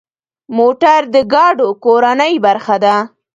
موټر د ګاډو کورنۍ برخه ده.